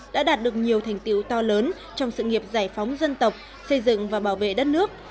đã đạt được nhiều thành tiệu to lớn trong sự nghiệp giải phóng dân tộc xây dựng và bảo vệ đất nước